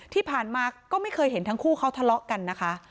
ที่ผ่านมาก็ไม่เคยเห็นทั้งคู่เขาทะเลาะกันนะคะ